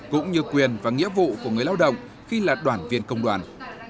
cũng như quyền và nghĩa vụ của người lao động khi là đoàn viên công đoàn